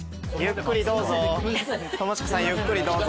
ゆっくりどうぞ。